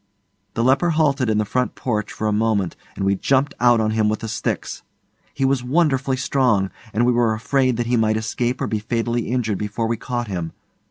The leper halted in the front porch for a moment and we jumped out on him with the sticks. He was wonderfully strong, and we were afraid that he might escape or be fatally injured before we caught him.